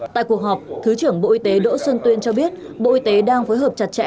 tại cuộc họp thứ trưởng bộ y tế đỗ xuân tuyên cho biết bộ y tế đang phối hợp chặt chẽ